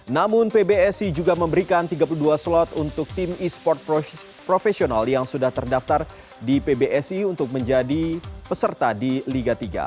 namun pbsi juga memberikan tiga puluh dua slot untuk tim e sport profesional yang sudah terdaftar di pbsi untuk menjadi peserta di liga tiga